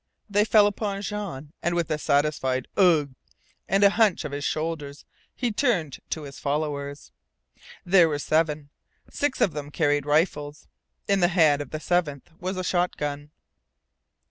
They fell upon Jean, and with a satisfied "Ugh!" and a hunch of his shoulders he turned to his followers. There were seven. Six of them carried rifles. In the hands of the seventh was a shotgun.